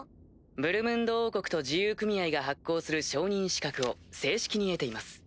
ブルムンド王国と自由組合が発行する商人資格を正式に得ています。